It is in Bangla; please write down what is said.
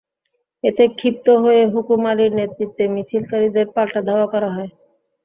এতে ক্ষিপ্ত হয়ে হুকুম আলীর নেতৃত্বে মিছিলকারীদের পাল্টা ধাওয়া করা হয়।